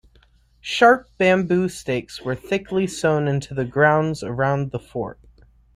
Sharp bamboo stakes were thickly sown into the grounds around the fort.